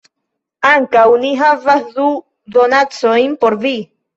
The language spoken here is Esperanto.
Ankaŭ ni havas du donacojn por vi